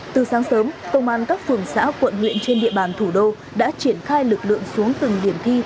từ sáng sớm công an các phường xã quận huyện trên địa bàn thủ đô đã triển khai lực lượng xuống từng điểm thi